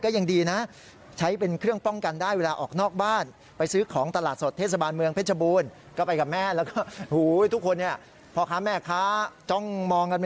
น้องจจ๋าก็เปิดหมวกครอบและเล่าให้เราฟัง